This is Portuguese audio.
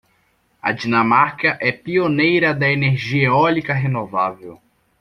A Dinamarca é pioneira da energia eólica renovável.